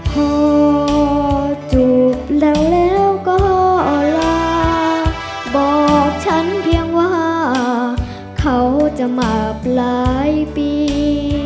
พอจูบแล้วแล้วก็ลาบอกฉันเพียงว่าเขาจะมาหลายปี